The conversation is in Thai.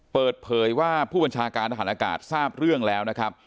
เปิดเผยว่าผู้บัญชาการทหารอากาศทราบเรื่องแล้วนะครับ